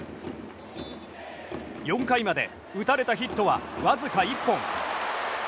４回まで打たれたヒットはわずか１本。